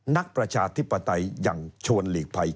นักประชาธิปไตยยังชวนหลีกภัย